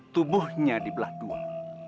tubuhnya di belah duitnya